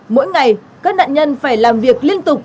mỗi ngày các nạn nhân phải làm việc liên tục